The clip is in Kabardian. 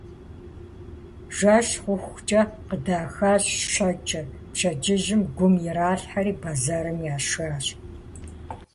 Жэщ хъухукӀэ къыдахащ щэкӀыр, пщэдджыжьым гум иралъхьэри бэзэрым яшащ.